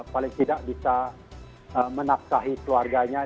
paling tidak bisa menafkahi keluarganya